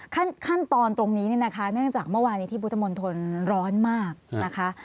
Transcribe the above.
ขั้นตอนตรงนี้เนี่ยนะคะเนื่องจากเมื่อวานนี้ที่พุทธมนตรร้อนมากนะคะ